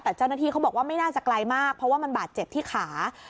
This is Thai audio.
แต่เจ้าหน้าที่เขาบอกว่าไม่น่าจะไกลมากเพราะว่ามันบาดเจ็บที่ขา